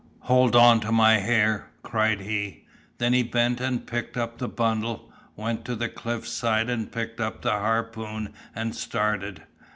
"Hold on to my hair," cried he. Then he bent and picked up the bundle, went to the cliff side and picked up the harpoon and started.